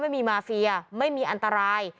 ไม่มีมาเฟียไม่มีอันตราย